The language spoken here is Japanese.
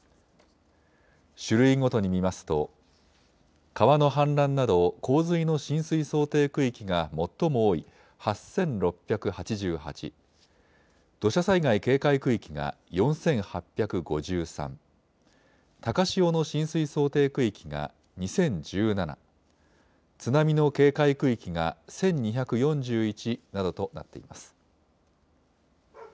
種類ごとに見ますと川の氾濫など洪水の浸水想定区域が最も多い８６８８、土砂災害警戒区域が４８５３、高潮の浸水想定区域が２０１７、津波の警戒区域が１２４１などとなっています。